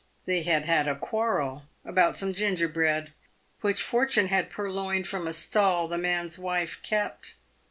They had had a quarrel about some gingerbread, which Fortune had purloined from a stall the man's wife kept.